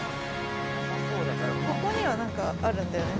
ここには何かあるんだよね。